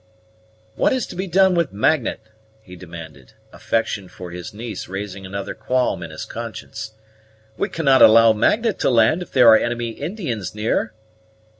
"What is to be done with Magnet?" he demanded, affection for his niece raising another qualm in his conscience. "We cannot allow Magnet to land if there are enemy's Indians near?"